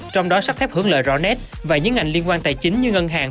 trong đó sắp thép hướng lợi rõ nét và những ngành liên quan tài chính như ngân hàng